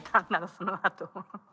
そのあと。